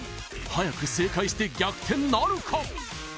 はやく正解して逆転なるか？